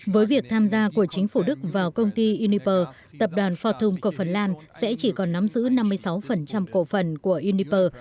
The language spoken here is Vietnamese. với việc tham gia của chính phủ đức vào công ty uniper tập đoàn fortum của phần lan sẽ chỉ còn nắm giữ năm mươi sáu cổ phần của uniper